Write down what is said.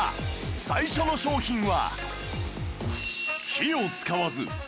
最初の商品は